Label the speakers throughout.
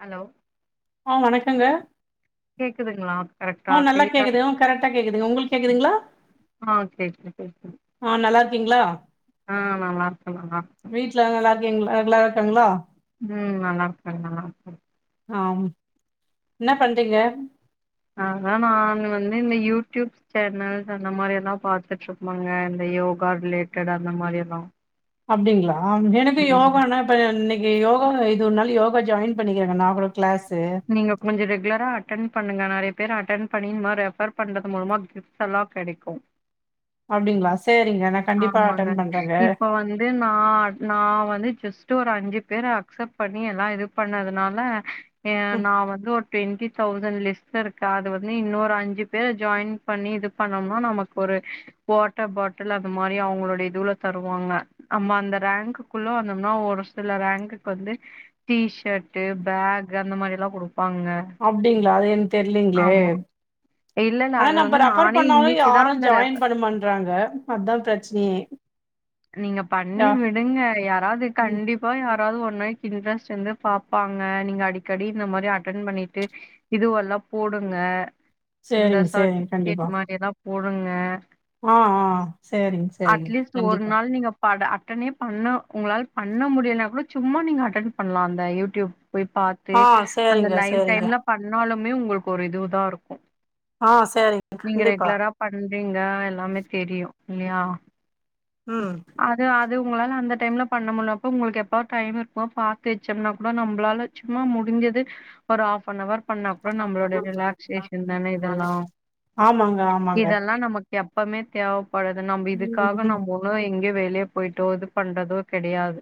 Speaker 1: Hello
Speaker 2: ஆ வணக்கங்க
Speaker 1: கேக்குதுங்களா கரெக்டா கிளியரா இருக்
Speaker 2: து உங்களுக்கு கேக்குதுங்களா
Speaker 1: ஆ கேக்குது கேக்குது
Speaker 2: கிங்களா
Speaker 1: ஆ நல்லா இருக்கு நல்லா இருக்கு
Speaker 2: கிங்களா எல்ல இருக்காங்களா
Speaker 1: ம் நல்லா இருக்காங்க நல்லா இருக்கா
Speaker 2: ஆம் இன்னா பண்றீங்க
Speaker 1: நாங்கள நா வந்து இந்த யூடியடியூப் சேனல்ஸ் அந்த மாரி எல்லா பாத்துட்டு இருப்பேங்க இந்த யோகா ரிலேட்டட் அந்த மாரி எல்லா
Speaker 2: அப்பிடிங்களா எனக்கு
Speaker 1: ம்
Speaker 2: யோகானா இப்ப இன்னே கி யோகா இது ஒரு நாளு யோகா ஜாயின் பண்ணிக்கிறாங்க நா கூட கிளாஸு
Speaker 1: நீங்க கொஞ்ச ரெகுலரா அட்டென் பண்ணுங்க நெறைய பேர் அட்டென் பண்ணி இதுமா ரெபர் பண்றது மூலமா கிஃட்ஸ் எல்லா கெடைக்கு
Speaker 2: அப்பிடிங்களா சே
Speaker 1: ஆமாங்க இப்ப வந்து ந ந வந்து ஜஸ் ட்டு ஒரு அஞ்சு பேர அக்செப்ட் பண்ணி எல்லா இது பண்ணதுனால ஏ
Speaker 2: ம்
Speaker 1: நா வந்து ஒரு டிவெண்டி தவ்சன் லிஸ்ட்ல இருக அது வந்து இன்னொரு அஞ்சு பேர ஜாயின் பண்ணி இது பண்ணோம்னா நமக்கு ஒரு வாட்டர் பாட்டில் அப் இந்த மாரி அவுங்லோடைய இதுல தருவாங்க நம்ம அந்த ரேங்க்குக்குள்ள வந்தம்னா ஒரு சில ரேங்க்குக்கு வந்து டீஷர்ட்ட் பேக் அந்த மாரி எல்லா குடு
Speaker 2: அப்பிடிங்களா அது என் தெர்லிங்களே
Speaker 1: ஆமா. இல்ல இல்ல
Speaker 2: ஆனா
Speaker 1: அது வந்து
Speaker 2: நம்ம ரெபர்
Speaker 1: நானே
Speaker 2: பண்ணாலு
Speaker 1: இன்னைக்கு தான்
Speaker 2: யாரு
Speaker 1: அந்த ரெஃப்
Speaker 2: ஜாயின் பண்ண மான்றாங்க அதா பிரச் சே
Speaker 1: நீங்க பண்ணி விடுங்க யாராவது
Speaker 2: ம்
Speaker 1: கண்டிப்பா யா க்காது ஒன்மை இன்ட்ரெஸ்ட் இந்தா பாப்பாங்க நீங்க அடிக்கடி இந்த மாரி அட்டன் பண்ணிட்டு இதுவல்லா போடுங்க இந்த
Speaker 2: சேரிங்க
Speaker 1: சர்ட்டிபிகேட் மாரி எல்லா போடு ருங்க
Speaker 2: ம் ம் சேரிங் சேரிங்க கண்டிப்பா
Speaker 1: நீ பட அட்டனே பண்ணா உங்களால பண்ண முடியனா கூட சும்மா நீங்க அட்டன் பண்ணலாம் அந்த யூடியூப் போய் பாத்து
Speaker 2: ஆ
Speaker 1: அந்த
Speaker 2: சேரிங்க
Speaker 1: லைவ்
Speaker 2: சேரிங்க
Speaker 1: டைம்ல பண்ணாலும் மே உங்களுக்கு ஒரு இதுவு தாருக்கும்
Speaker 2: ஆ சேரிங்க
Speaker 1: நீங்க
Speaker 2: கண்டிப்பா
Speaker 1: ரெகுலரா பண்றீங்க எல்லாமே தெரியும் யா
Speaker 2: ம்
Speaker 1: து உங்களால அந்த டைம்ல பண்ண முலப்ப உங்களுக்கு எப்பாது டைம் இரு பாத்து வச்சோன்னா கூட நம்மளாலும் சும்மா முடிஞ்சது ஒரு ஆப்ப நவர் இதெல்லா
Speaker 2: ஆமாங்க ஆமாங்க
Speaker 1: எப்பவுமே தேவப் பழுது நம்ம இதுக்காக
Speaker 2: ஆமாங்க
Speaker 1: நம்ம இன்னோ இங்க வேலளிய போயிட்டோ இது பண்றதோ கெடயாது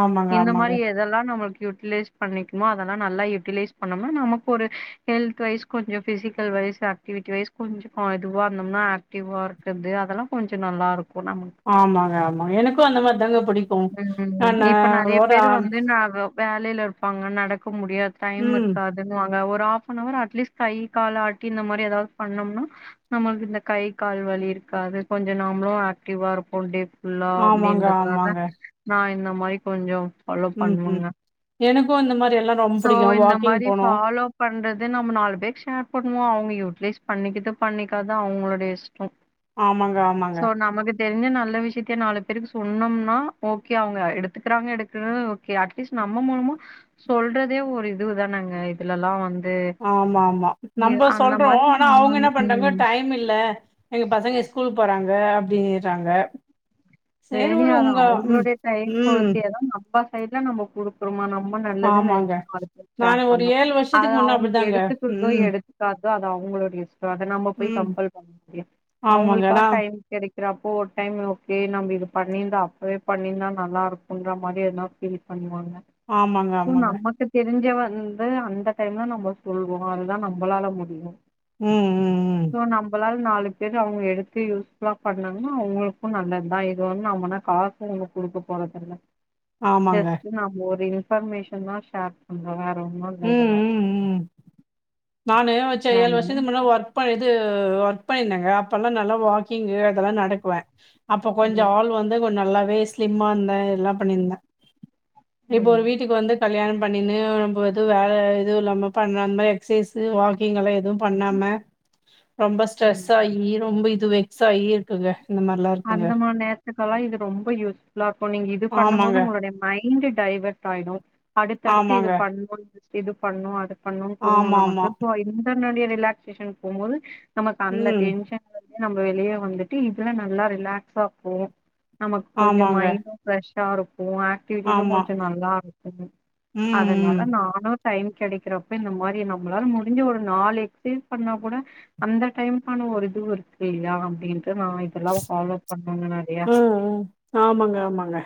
Speaker 2: ஆமாங்க
Speaker 1: இந்த மாரி எதல்லா நம்மளுக்கு யூட்டிலைஸ் பண்ணிக்குமா அதல்லா நல்லா யூட்டிலைஸ் பண்ணம்னா நமக்கு ஒரு ஹெல்த் வைஸ் கொஞ்ச பிஸிக்கல் வைஸ் ஆக்டிவிட்டி வைஸ் கொஞ்ச இதுவா இருந்தோம்னா ஆக்டிவா இருக்குது அதல்லா கொஞ்ச நல்லாருக்கும் போனாமனக்கு
Speaker 2: ஆமா எனக்கும் அந்த மாரி தாங்க புடிக்கும்
Speaker 1: ம்.
Speaker 2: நா ஒரா
Speaker 1: பிள்ளேல இருப்பாங்க நடக் இப்ப முடியாது டைம்
Speaker 2: ம்
Speaker 1: இருக்காதுன்னு வாங் ஒரு ஆப் நவர் அட்லீஸ்ட் கை கால் ஆட்டி இந்த மாரி ஏதாது பண்ணம்னா நம்மளுக்கு இந்த கை கால் வலி இருக்காது கொஞ்ச நாமளும் ஆக்டிவா இருப்போம் டே ஃபுல்லா
Speaker 2: ஆமாங்க
Speaker 1: அப்டின்றதுனால
Speaker 2: ஆமாங்க
Speaker 1: நா இந்த மாரி கொஞ்சம் பாலோ
Speaker 2: ம் ம்
Speaker 1: பண்ணுங்க
Speaker 2: எனக்கு இந்த மாரி எல்லா ரொம்ப
Speaker 1: சோ
Speaker 2: புடிக்கு
Speaker 1: இந்த
Speaker 2: வாக்கிங்
Speaker 1: மாரி
Speaker 2: போனு
Speaker 1: பாலோ பண்றது நம்ம நாலு பேர் ஷேர் பண்ணுவோம் யூட்டிலைஸ் பண்ணிக்கட்டு பண்ணிக்காது அவங்களுடைய இஷ்
Speaker 2: ஆமாங்க ஆமாங்க
Speaker 1: தெரிஞ்ச நல்ல விஷயத் கே நாலு பேருக்கு சொன்னம்னா ஓகே அவங்க எடுத்துக்கறாங்க எடுக்க ஓகே அட்லீஸ்ட் நம்ம மூலமா சொல்றதே ஒரு இதுதானங்க இதுல எல்லா வந்
Speaker 2: ஆமா ஆமா நம்ப சொல்றோம்
Speaker 1: மாதிரி
Speaker 2: ஆனா
Speaker 1: நம்ம
Speaker 2: அவுங்க என்ன
Speaker 1: ம்.
Speaker 2: பண்றாங்க டைம் இல்ல எங்க பசங்க ஸ்கூல் போறாங் க அப்டிறாங்க
Speaker 1: உங்க எரியாதா அவுங்களுடைய டைம்
Speaker 2: ம்
Speaker 1: பொருத்தியேதான் நம்ம சைய்டுல நம்போ குடுக்குரேமா நம் ரொம்ப நல்லதுன்
Speaker 2: ஆமாங்க
Speaker 1: நெனச்சுக்கோ அத பத்தி கேர்
Speaker 2: நானு ஒரு
Speaker 1: பன்ன
Speaker 2: ஏழு
Speaker 1: அத
Speaker 2: வருஷத்துக்கு முன்ன
Speaker 1: அவுங்க
Speaker 2: அப்டிதாங்க
Speaker 1: எடுத்துக்கறது
Speaker 2: ம்
Speaker 1: எடுத்துக்காதது அது அவங்களோட இஷ்டோ அத நம்ம போய்
Speaker 2: ம்
Speaker 1: கம்பல் பண்ண முடியாது
Speaker 2: ஆமாங்க
Speaker 1: அவங்களுக்கா
Speaker 2: நா
Speaker 1: டைம் கெடை க்கிறப்போ ஒரு டைம் ஓகே நம்ப இ து பண்ணிருந்தா அப்பவே பண்ணிருந்தா நல்லா இருக்குன்ற மாரி எதனா ஃபீல் பண்ணுவாங்க
Speaker 2: ஆமாங்க
Speaker 1: இப்பவு
Speaker 2: ஆமாங்க
Speaker 1: நமக்கு தெரிஞ்ச வ ந்து அந்த டைம்ல நம்ம சொல்வோ அதுதா நம்பளால முடியு
Speaker 2: ம் ம் ம்
Speaker 1: சோ நம்பளால நாலு பேரு அவங்க எடுத்து யூஸ்ஃபுல்லா பண்ணாங்கன்னா அவங்களுக்கு நல்லதுதா இ து ஒண்ணு அவுங்க ஒண்ணு காசு நமக்கு குடுக்கப் போறதில்ல
Speaker 2: ஆமாங்க
Speaker 1: ஜஸ்ட் நாம ஒரு இன் ஃபர்மேஷன்தா ஷேர் பண்றோ வே
Speaker 2: ம் ம் ம் நானு வச்ச ஏழு
Speaker 1: அதனால
Speaker 2: வருஷத்துக்கு முன்னால ஒர்க் பண்ணி இது ஒர்க் பண்ணிருந்தங்க அப்பல்லா நல்லா வாக்கிங்கு அதெல்லா நடக்குவே அப்ப கொஞ்சோ
Speaker 1: ம்
Speaker 2: ஆள் வந்து கொஞ்சோ நல்லாவே ஸ்லிம்மா இருந்த எல்லா பண்ணிருந்த இப்போ ஒரு
Speaker 1: ம்
Speaker 2: வீட்டுக்கு வந்து கல்யாணோ பண்ணினு ரொம்ப இ து வேல எதுவு இல்லாம பண்ணாம எக்சைஸு வாக்கிங் எல்லா எதுவு பண்ணாம ரொம்ப ஸ்ட்ரெஸ்
Speaker 1: ம்
Speaker 2: ஆகி ரொம்ப இ து வெக்ஸாயி இருக்குங்க இந்த மாரிலா இருக்குங்க
Speaker 1: அந்த மாரி நேரத்துக்கெல்லா இது ரொம்ப யூஸ்ஃபுல்லா இரு க்கு நீங்க இது பண்ணும்
Speaker 2: ஆமாங்க
Speaker 1: போது உங்களுடைய மைண்டு டைவர்ட் ஆயிடு அடுத்தடுத்து இது
Speaker 2: ஆமாங்க
Speaker 1: பண் [inaudible] இது பண்ணனு அது பண்ணணுன் தோணு
Speaker 2: ஆமா
Speaker 1: நமக்கு
Speaker 2: ஆமா
Speaker 1: சோ இதுமே நா என்னுடைய ரிலாக்சேஷனுக்கு போகும்போது நமக்கு அந்த
Speaker 2: ம்
Speaker 1: டென்ஷன்ல நம்ம வெளிய வந்துட்டு இதுல ந ல்லா ரிலாக்ஸா போவோ நமக்கு கொஞ்சோ
Speaker 2: ஆமாங்க
Speaker 1: மைண்டு ஃப்ரெஷ் ஷா இருக் ஓ ஆக்டிவிட்டிஸு
Speaker 2: ஆமா
Speaker 1: கொஞ்ச நாள் தா
Speaker 2: ம்
Speaker 1: அதனால
Speaker 2: ம்
Speaker 1: நானு டைம் கெடக்கிறப்ப இந்த மாதிரி நம்மளால முடிஞ்ச ஒரு நாளு எக்சைஸ் பண்ணா கூட அந்த டைம்கான ஒரு இதுவு இருக்கு இல்லயா அப்டின்ட்டு நா இதெல்லா ஃபாலோ பண்ணுவங்க நெறையா
Speaker 2: உம்-உம் ஆமாங்க-ஆமாங்க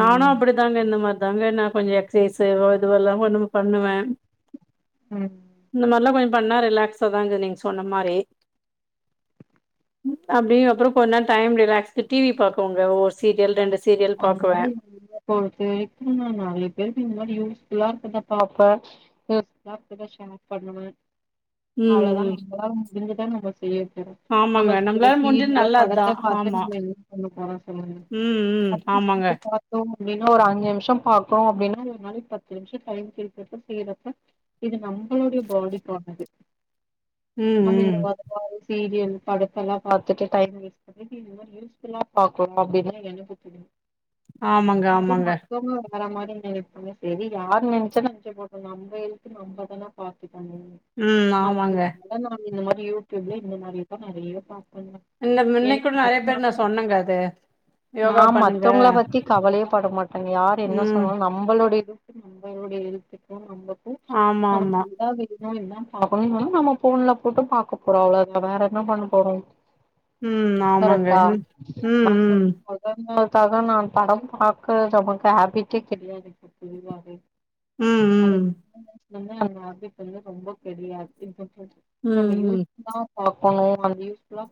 Speaker 2: நானு அப்டிதாங்க இந்த மாரி தாங்க நா கொஞ்சோ எக்சசைஸ்ஸு இதுவெல்லா கொஞ்சோ பண்ணுவே
Speaker 1: ம்
Speaker 2: இந்த மார்ல்லா கொஞ்ச பண்ணா ரிலாக்ஸ்ஸா தாங்க நீங்க சொன்ன மாரி அப்டி அப்றோ கொஞ்ச நேரோ டிவி பாப்போ ஒரு சீரியல் ரெண்டு சீரியல்
Speaker 1: அந்த
Speaker 2: பாக்குவே
Speaker 1: மாரி [unintelligible] ல்லா கொஞ்சோ பாப்பே தா ஷேர் பண்ணுவே
Speaker 2: ம்
Speaker 1: அவ்ளோதா
Speaker 2: ம்
Speaker 1: நம்ப இதுக்குதா நம்ம செய்யு
Speaker 2: ஆமாங்க
Speaker 1: நம்ம
Speaker 2: நம்மளால முடிஞ்சது
Speaker 1: சீரியலோ
Speaker 2: நல்லது தா
Speaker 1: படத்த பாத்து
Speaker 2: ஆமா
Speaker 1: நம்ம என்ன பண்ண போகபோறோ சொல்லுங்க
Speaker 2: ம் ம்
Speaker 1: அட்லீஸ்ட்
Speaker 2: ஆமாங்க
Speaker 1: வந்து பாத்தோ அப்டின்னா ஒரு அஞ்சு நிமிஷ பாக்கு அப்டினா அத நாளைக்கு பத்து நிமிஷ டைம் கேக்கத செய்யறது இது நம்மளுடைய பாடி போனது
Speaker 2: ம்
Speaker 1: நமீன
Speaker 2: ம்
Speaker 1: [unintelligible] சீரியல் படத்தலா பாத்துட்டு டைம் வேல்லா பாகறோ அப்டின்னா எனக்கு டி [unintelligible]
Speaker 2: ஆமங்க ஆமங்க
Speaker 1: வேர மாரி நெனப்பே செரி யாரு நெனச்சா நெனச்ச போட்டோ நம்ம இதுக்கு நம்மதா பாத்து
Speaker 2: ம் ஆமாங்க
Speaker 1: இந்த மாரியூடிப்ல இந்த மாரிதா நெறய பாப்
Speaker 2: இந்த மின்ன கூட நெறய தடவ நா சொன்னங்க அது
Speaker 1: நா
Speaker 2: யோகா பண்ணுங்க
Speaker 1: மத்துவங்கள பத்தி கவலயே பட மாட்டேங்க யார் என்ன
Speaker 2: ம்
Speaker 1: சொன்னாலு நம்பளுடைய நம்மளுடை எழுத்துக்கே நம்ப
Speaker 2: ஆமா ஆமா
Speaker 1: ம் பாக்கணு சொன்னா நம்ம போன்ல போட்டு பாக்க போறோ அவ்வளோத வேற என்ன பண்ண போறோ
Speaker 2: ம் ஆமங்க ம் ம்
Speaker 1: க்காக நா படம் பாக்கறது நமக்கு ஹேபிட்டே கெடையாது தெரி
Speaker 2: ம் ம்
Speaker 1: அதுக் [inaudible] ரொம்ப கடியாதுப்போ
Speaker 2: ம் ம்
Speaker 1: நம்ம
Speaker 2: ம்
Speaker 1: யூஸ் தா பா போனு அத யூஸ்ஃபுல்லா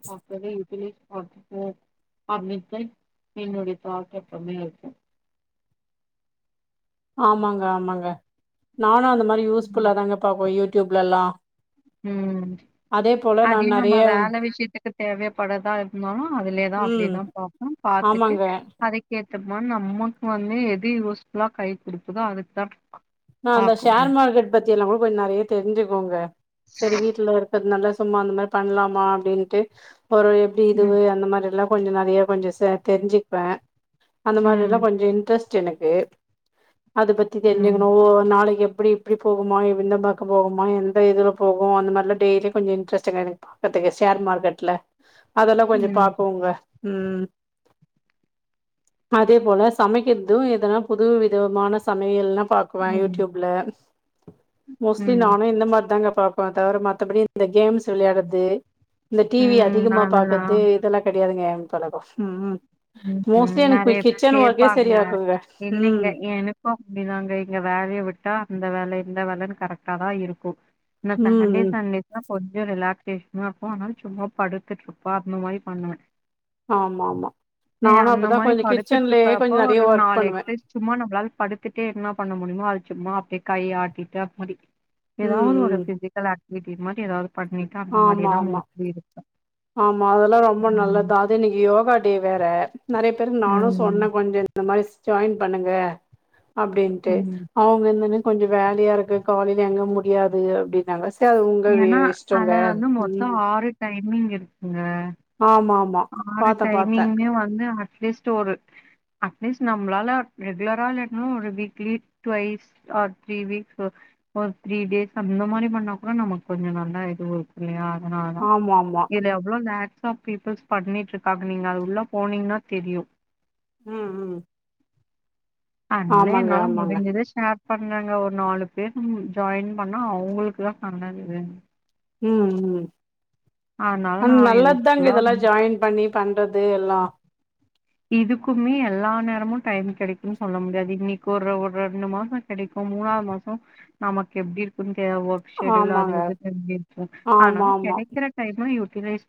Speaker 1: [inaudible] என்னுடைய தாழ்தப்பமே யிருக்கு
Speaker 2: ஆம்மாங்க ஆம்மாங்க நானு அந்த மாரி
Speaker 1: ம்
Speaker 2: யூஸ்ஃபுல்லா தாங்க பாபோ யூ யூடிப்லலா
Speaker 1: ம்
Speaker 2: நா
Speaker 1: அதையு நம்ம
Speaker 2: நெறைய
Speaker 1: வேல விஷயத்துக்கு தேவைப்படதா யிருந்தாலு அதுலயே தா
Speaker 2: ம்
Speaker 1: அப்பியதாபாப்போ பாத்துட்டு
Speaker 2: ஆமாங்க
Speaker 1: அதுகேட் த்தமா நம்மக்கு வந்து எது யூஸ்ஃபுலா கை கொடுகுதோ அதுக்குதா
Speaker 2: நா அந்த
Speaker 1: பாக்கணு
Speaker 2: ஷேர் மார்க்கெட் பத்தி யில்லா கூ போய் நறய தெரிஞ்சிகோங்க செரி வீட்டுல இருகது நல்ல சும்மா அந்த மாதிரி பண்ணலாமா அப்டின்ட்டு ஒரு எப்டி
Speaker 1: ம்
Speaker 2: இதுவு அந்த மாரி எல்லா கொஞ்சோ நிறைய கொஞ்சோ ச தெரிஞ்சுப்பே அந்த மாதிரி எல்லா
Speaker 1: ம்
Speaker 2: கொஞ்சம் இன்ட்ரஸ்ட் ச்சு எனக்கு அது பத்தி தெரிஞ்சுங்
Speaker 1: ம்
Speaker 2: நாளைக்கு எப்டி இப்டி போகுமோ எ இந்த பக்க போகுமோ எந்த இதுல போகு அந்த மாதிரி எல்லா டெய்லியு கொஞ்சம் இன்ட்ரஸ்ட்ங்க எனக்கு பாக்கிறதுக்கு ஷேர் மார்க்கெட்ல அதெல்லா கொஞ்சோ
Speaker 1: ம்
Speaker 2: பாப்போங்க ம் அதே போல சமைக்கிறது எதன்னா புது விதமான சமையல்னா வா
Speaker 1: ம்
Speaker 2: யூடியூப்ல மோஸ்ட்லி
Speaker 1: ம்
Speaker 2: நானு இந்த மாதிரி தாங்க பார்ப்பே தவிர மத்தபடி இந்த கேம்ஸ் விளையாடுறது இந்த டிவி
Speaker 1: ம்
Speaker 2: அதிகமா
Speaker 1: அதெல்லா ம்
Speaker 2: பாக்குறது
Speaker 1: அதெல்லாம்
Speaker 2: இதெல்லா கிடையாதுங்க தலகோ ம் ம்
Speaker 1: ம் ம்
Speaker 2: எனக்கு
Speaker 1: நிறைய பேர்
Speaker 2: கிச்சன் ஒர்க்கே
Speaker 1: கேட்பாங்க
Speaker 2: சரியாகுங்க
Speaker 1: இல்லைங்க
Speaker 2: ம்
Speaker 1: எனக்கு அப்டிதாங்க இங்க வேல இத விட்டா அந்த வேல இந்த வேலன்னு கரெக்ட்டா தா இருக்கு நா
Speaker 2: ம்
Speaker 1: சாட்டர்டே
Speaker 2: ம்
Speaker 1: சண்டேஸ் தா கொஞ்சோ ரிலாக்சேஷனா இருக்கு ஆனால சும்மா படுத்துட்டு இருப்பே அந்த மாதிரி பண்ணுவே
Speaker 2: ஆம்
Speaker 1: நீ அந்த மாரி படுத்துட்டு
Speaker 2: கிச்சன்லயே கொஞ்சோ
Speaker 1: இருக்கிறப்ப
Speaker 2: நெறைய
Speaker 1: ஒரு
Speaker 2: ஒர்க்
Speaker 1: நாலு
Speaker 2: பண்ணுவே
Speaker 1: எக்ஸசைஸ் சும்மா நம்மளால படுத்துட்டே என்ன பண்ண முடியுமோ அது சும்மா அப்டி கை ஆட்டிட்டு அப்டி இத எல்லா
Speaker 2: ம்
Speaker 1: ஒரு
Speaker 2: ம்
Speaker 1: பிசிக்கல் ஆட் இன்னிக்கு இது மாதிரி ஏதாது பண்ணிட்டு அந்த
Speaker 2: ஆமா
Speaker 1: மாரிதா
Speaker 2: ஆமா
Speaker 1: [unintelligible] இருக்கு
Speaker 2: ஆமா அதெல்லா ரொம்ப நல்ல தா அது நிகியோ போகாடே வேற நெறைய பேருக்கு நானு சொன்னே
Speaker 1: ம்
Speaker 2: கொஞ்ச இந்த மாரிஸ் ஜாயின் பண்ணுங்க அப்டின்ட்டு
Speaker 1: ம்
Speaker 2: அவுங்க இன்னன் கொஞ்ச வேலையா இருக்கு காலையிலே அங்க முடியாது அப்டின்னாங்கஸ் த்தா அது உங்க வே
Speaker 1: ஏன்னா
Speaker 2: இஷ்டங்க ம்
Speaker 1: நீங்க இருக்குங்க
Speaker 2: ஆமா ஆம்
Speaker 1: ஆறு டைமிங்மே வாங்க இது அட்லிஸ்ட்டு ஒரு அட்லிஸ்ட் நம்மளால ரெகுலரா இல்லட்ன ஒரு weekly twice or three week ஃப த்ரீ கேட் அந்த மாரி பட நமக்கு கொஞ்ச நல்லா இது இருக்கு இல்லியா அதனாலோ
Speaker 2: ஆமா ஆமா
Speaker 1: இதுல எவ்ளோ நாக் அப்டிப்பி பஸ் பண்ணிட்டு இருக்காங்க நீங்க அது உள்ள போனீங்கன்னா தெரியு
Speaker 2: ம் ம்
Speaker 1: அதனால
Speaker 2: ஆமாங்க
Speaker 1: என்னால
Speaker 2: ஆமாங்க
Speaker 1: முடிஞ்சத சேர் பண்ணாங்க ஒரு நாலு பேரு ஜாயின் பண்ணா அவங்களுக்குதா நல்லது
Speaker 2: ம் ம்
Speaker 1: அதனால
Speaker 2: அன்
Speaker 1: நான்
Speaker 2: நல்லது தாங்க
Speaker 1: யூஸ்ஃபுல்லா
Speaker 2: இதெல்லா ஜாயின் பண்ணி பண்றது எல்லா
Speaker 1: இதுக்குமே எல்லா நேரமு டைம் கெடைக்கும்னு சொல்ல முடியாது இன்னைக்கு ஒரு ஒரு ரெண்டு மாச கெடைக்கும் மூணாது மாச நமக்கு எப்டி இருக்குன்னு கே ஓர்க் சேடுயுல் அது
Speaker 2: ஆமாங்க
Speaker 1: இது
Speaker 2: ஆமா
Speaker 1: ஆனாலு
Speaker 2: ஆமா
Speaker 1: கெடைக்கிற டைம்ல [unintelligible] கிரேஸ்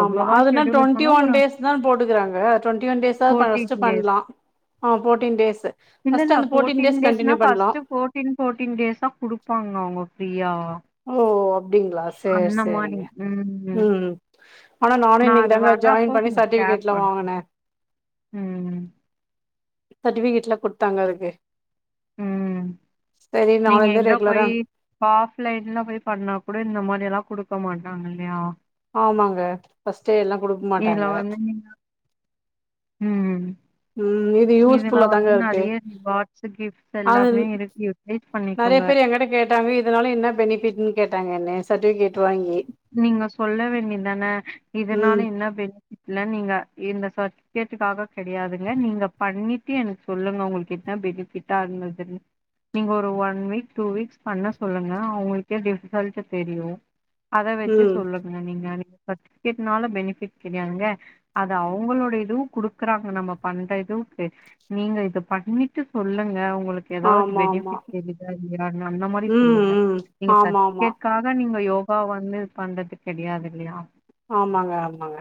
Speaker 2: ஆமா அதுனா டொண்டி ஒன் டேஷ் தா போட்டுக்கறாங்க டொண்டி
Speaker 1: ஃபோட்டின் டேஸ்
Speaker 2: ஆ ஃபோர்டீன் டேஸ்
Speaker 1: இல்ல
Speaker 2: ஃபர்ஸ்ட்
Speaker 1: இல்ல
Speaker 2: அந்த ஃபோர்டீன்
Speaker 1: ஃபோட்டின்
Speaker 2: டேஸ்
Speaker 1: டேஸ்னா
Speaker 2: கண்டினியூ பண்லா
Speaker 1: ஃபஸ்ட் ஃபோட்டின் ஃபோட்டின் டேஸ் தா குடுப்பாங்க அவுங்க அப்பியா
Speaker 2: ஓ அப்டிங்களா சரி சரி ம் ஆனா நானு
Speaker 1: நா
Speaker 2: இன்னைக்கு
Speaker 1: அது
Speaker 2: தாங்க
Speaker 1: வர்றப்போ
Speaker 2: ஜாயின் பண்ணி
Speaker 1: உங்களுக்கு ஷேர்
Speaker 2: சர்டிஃபிகேட்லா
Speaker 1: பண்றே
Speaker 2: வாங்குனே
Speaker 1: ம்
Speaker 2: சட்விக்கீட்லா குடுத்தாங்க அதுக்கு
Speaker 1: ம்
Speaker 2: சரி
Speaker 1: நீங்க
Speaker 2: நாளைந்து
Speaker 1: எங்க
Speaker 2: ரெகுலரா
Speaker 1: போய் ஆஃப்லைன் இன்னு போய் பண்ணா கூட இந்த மாதிரி எல்லா கொடுக்க மாட்டாங்க இல்லையா
Speaker 2: ஆமாங்க ஃபஸ்ட் டே எல்லா குடுக்க
Speaker 1: இதுல
Speaker 2: மாட்டாங்க
Speaker 1: வந்து நீங்க ம்
Speaker 2: ம் இது
Speaker 1: இதுல
Speaker 2: யூஸ்புல்லா தாங்க
Speaker 1: வந்து
Speaker 2: இருக்கு
Speaker 1: நெறைய ரிவார்ட்ஸ் கிஃப்ட்ஸ்
Speaker 2: அது
Speaker 1: எல்லாமே இருக்கு யூட்டிலைஸ்
Speaker 2: நறைய
Speaker 1: பண்ணிக்கோங்க
Speaker 2: பேர் எங்க்கிட்ட கேட்டாங்க இதனால என்ன பெனிஃபிட்ன்னு கேட்டாங்க என்ன சர்டிவிகேட் வாங்கி
Speaker 1: நீங்க சொல்ல வேண்டிதானே இதனால
Speaker 2: ம்
Speaker 1: என்ன பெனிஃபிட்ல்ல நீங்க இந்த சா கீட்டுக்காக கிடையாதுங்க நீங்க பண்ணிட்டு எனக்கு சொல்லுங்க உங்களுக்கு என்ன பெனிஃபிட்டா இருந்ததுனு நீங்க ஒரு ஒன் வீக் டூ வீக்ஸ் பண்ண சொல்லுங்க அவங்கலுகே டிஃப்ரன்ட் தெரியு அத வச்சு
Speaker 2: ம்
Speaker 1: சொல்லுங்க நீங்க சர்ட்ஃபிகேட்னால பெனிஃபிட் கிடையாதுங்க அது அவங்களோட இதுவு குடுக்குறாங்க நம்ம பண்ற இதுக்கு நீங்க இத பண்ணிட்டு சொல்லுங்க உங் உங்களுக்கு ஏதாவது
Speaker 2: ஆமா ஆமா
Speaker 1: பெனிஃபிட் [unintelligible] அந்த மாதிரி
Speaker 2: ம்
Speaker 1: சொல்லுங்க
Speaker 2: ம்
Speaker 1: நீங்க
Speaker 2: ஆமா ஆமா
Speaker 1: சர்ட்ஃபிகேட்காக நீங்க யோ அப்பா வந்து இது பண்றது கிடையாது இல்லையா
Speaker 2: ஆமாங்க ஆமாங்க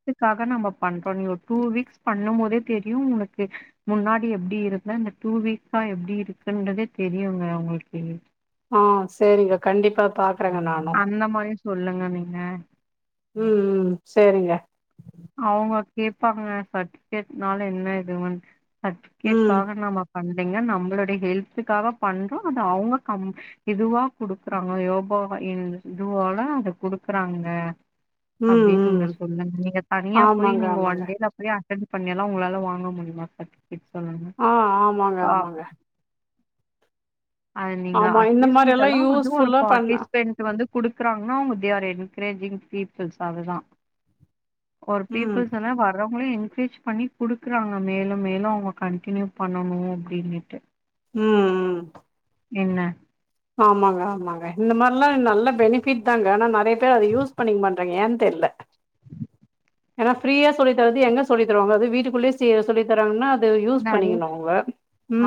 Speaker 1: எதுக்காக நம்ம பண்றோ நீ ஒரு டூ வீக்ஸ் பண்ணு போதே தெரியு உங்களுக்கு முன்னாடி எப்டி இருந்த இந்த டூ வீக்ஸ்சா எப்டி இருக்குன்றதே தெரியுங்க உங்களுக்கு
Speaker 2: ஆ சரிங்க கண்டிப்பா பாக்குறேங்க நானு
Speaker 1: அந்த மனுஷ் சொல்லுங்க நீங்க
Speaker 2: ம் ம் சரிங்க
Speaker 1: அவுங்க கேட்பாங்க சர்ட்டிஃபிகேட்னால என்ன இதுவன்ட்
Speaker 2: ம்
Speaker 1: சட்ஃபிகேட்காக நாம பண்ண இல்லங்க நம்மளுடைய ஹெல்த்தக்காக பண்றோ அது அவங்க கம் இதுவா குடுக்குறாங்க யோகாவா இதுவால அத குடுக்குறாங்க
Speaker 2: ம்
Speaker 1: அப்டின்னு நீங்க
Speaker 2: ம்
Speaker 1: சொல்லுங்க நீங்க தனியா போய்
Speaker 2: ஆமாங்க
Speaker 1: நீங்க ஒன்
Speaker 2: ஆமாங்க
Speaker 1: டேல போய் அடன் பண்ணியல்லா உங்களால வாங்க முடியுமா சர்
Speaker 2: ஆ ஆமாங்க ஆமாங்க
Speaker 1: அ நீங்க
Speaker 2: ஆமா இந்த
Speaker 1: அட்லீஸ்ட்
Speaker 2: மாரி எல்லா
Speaker 1: இதெல்லா வந்து ஒரு
Speaker 2: யூஸ்ஃபுல்லா பண்ண
Speaker 1: பார்ட்டிசிபன் வந்து குடுக்குறாங்கன்னா அவங்க தே ஆர் என்கிரேஜிங் பீபள்ஸ் அதுதான் கோர்
Speaker 2: ம்
Speaker 1: பீப்புள்ஸ் என்ன வர்றோ அவுங்களே என்கிரேஜ் பண்ணி குடுக்குறாங்க மேலு மேலும் அவங்க கன்டினியூ பண்ணனு அப்படின்னிட்டு
Speaker 2: ம் ம்
Speaker 1: என்ன
Speaker 2: ஆமாங்க ஆமாங்க இந்த மாரில்லா நல்ல பெனிபிட் தாங்க ஆனா நெறைய பேர் அதை யூஸ் பண்ணிக்கங்க பண்றேங்க ஏன் தெரியல ஏன்னா ஃப்ரீயா சொல்லி தர்றது எங்க சொல்லி தருவங்க அது வீட்டுக்குள்ளேயே சொல்லி தரங்கான்னா
Speaker 1: நெறைய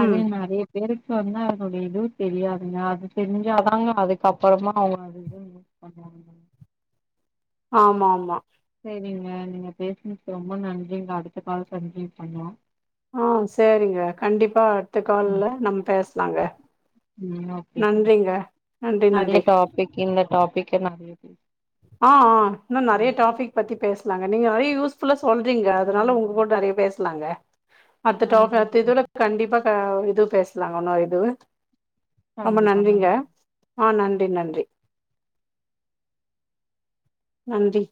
Speaker 1: அது நெறைய பேருக்கு வந்து அதனுடைய இதே தெரியாது நீ அது தெரிஞ்சாதாங்க அதுக்கப்றமா அவங்க அதிகோ யூஸ் பண்வாங்க
Speaker 2: ஆமா ஆமா
Speaker 1: சேரிங்க நீங்க பேசுனுதுக் ரொம்ப நன்றிங்க அடுத்த கால்ல கான்டினியூ பண்லாம்
Speaker 2: ஆ சேரிங்க கண்டிப்பா அடுத்த
Speaker 1: ம்
Speaker 2: கால்ல நம்ம பேசலாங்க
Speaker 1: ம் ஓகே தோழ
Speaker 2: நன்றிங்க நன்றி நன்றி
Speaker 1: நெறயா டாபிக் இந்த டாபிக்க நெறயா பேஸ்
Speaker 2: ஆ ஆ இன்னு நெறைய டாபிக் பத்தி பேசலாங்க நீங்க நெறைய யூஸ் ஃபுல்லா சொல்றீங்க அதுனால
Speaker 1: நன்றி
Speaker 2: உங்க கூட நிறையா பேசலாங்க அடுத்த டாப
Speaker 1: நன்றிங்க
Speaker 2: அடுத்த
Speaker 1: நன்றி
Speaker 2: இததோட கண்டிப்பா க இது பேசலாங்க இன்னோ இது ரொம்ப
Speaker 1: கண்டிப்பா
Speaker 2: நன்றிங்க
Speaker 1: நன்றி
Speaker 2: ஆ நன்றி நன்றி நன்றி